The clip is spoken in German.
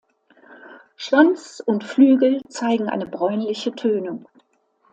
Schwanz und Flügel zeigen eine bräunliche Tönung.